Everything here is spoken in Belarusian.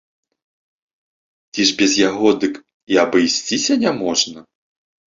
Ці ж без яго дык і абысціся няможна.